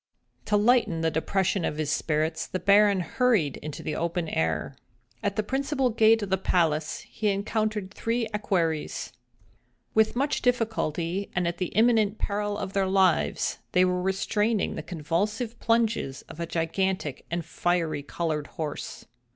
To lighten the depression of his spirits, the Baron hurried into the open air. At the principal gate of the palace he encountered three equerries. With much difficulty, and at the imminent peril of their lives, they were restraining the convulsive plunges of a gigantic and fiery colored horse.